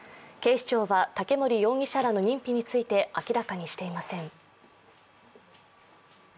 警視庁は竹森容疑者らの認否について明らかにしていません。